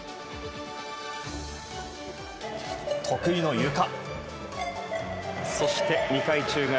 得意のゆか。